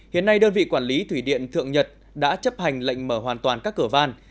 hiện nay đơn vị quản lý thủy điện thượng nhật đã chấp hành lệnh mở hoàn toàn các cửa van